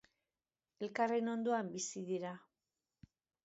Elkarren ondoan bizi dira.